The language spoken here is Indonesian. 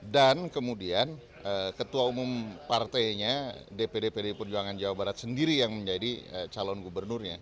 dan kemudian ketua umum partainya dpd pd perjuangan jawa barat sendiri yang menjadi calon gubernurnya